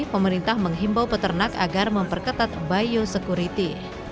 pemerintah menghimbau peternak agar memperketat biosecurity